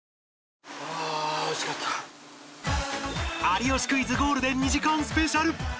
『有吉クイズ』ゴールデン２時間スペシャル